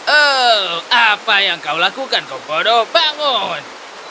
oh apa yang kau lakukan kau bodoh bangun